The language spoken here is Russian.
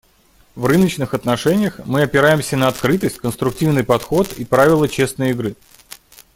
В рыночных отношениях мы опираемся на открытость, конструктивный подход и правила «честной игры».